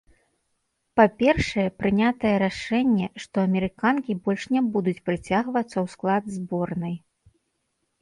Па-першае, прынятае рашэнне, што амерыканкі больш не будуць прыцягвацца ў склад зборнай.